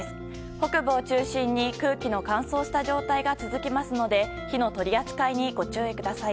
北部を中心に空気の乾燥した状態が続きますので火の取り扱いにご注意ください。